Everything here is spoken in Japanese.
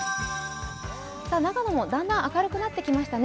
長野もだんだん明るくなってきましたね。